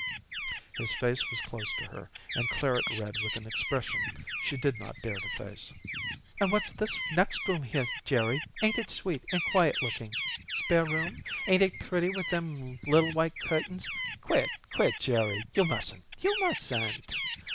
His face was close to her and claret red with an expression she did not dare to face. "And what's this next room here, Jerry? Ain't it sweet and quiet looking! Spare room? Ain't it pretty with them little white curtains? Quit, quit, Jerry! You mustn't you mustn't."